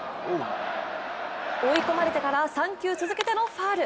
追い込まれてから３球続けてのファウル。